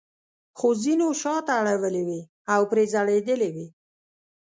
خو ځینو شاته اړولې وې او پرې ځړېدلې وې.